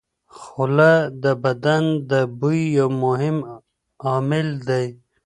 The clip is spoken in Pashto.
خوله د بدن د بوی یو مهم عامل دی.